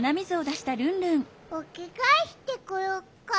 おきがえしてこよっか。